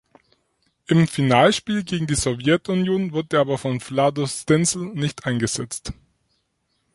Im Finalspiel gegen die Sowjetunion wurde er aber von Vlado Stenzel nicht eingesetzt.